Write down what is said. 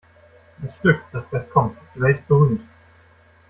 Das Stück, das gleich kommt, ist weltberühmt.